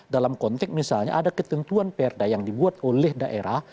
dalam konteks misalnya ada ketentuan perda yang dibuat oleh daerah